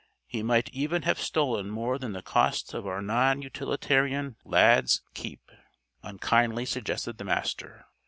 He might even have stolen more than the cost of our non utilitarian Lad's keep," unkindly suggested the Master.